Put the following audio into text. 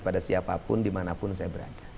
pada siapapun dimanapun saya berada